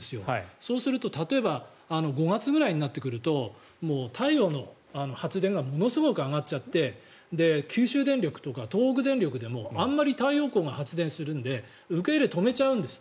そうすると例えば５月くらいになってくると太陽の発電がものすごく上がっちゃって九州電力とか東北電力でもあまり太陽光が発電するので受け入れを止めちゃうんです。